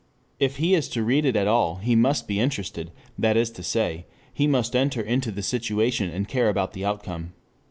If he is to read it at all he must be interested, that is to say, he must enter into the situation and care about the outcome.